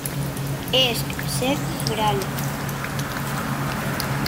Esc. Sec.Gral.